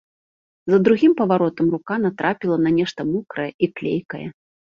За другім паваротам рука натрапіла на нешта мокрае і клейкае.